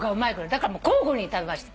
だからもう交互に食べました。